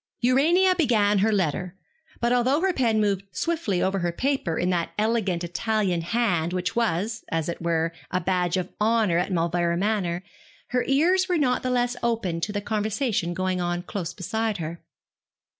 Urania began her letter, but although her pen moved swiftly over her paper in that elegant Italian hand which was, as it were, a badge of honour at Mauleverer Manor, her ears were not the less open to the conversation going on close beside her.